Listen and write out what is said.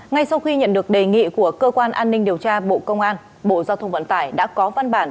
ngay sau khi nhận được đề nghị của cơ quan an ninh điều tra bộ công an bộ giao thông vận tải đã có văn bản